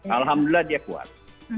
alhamdulillah dia kuat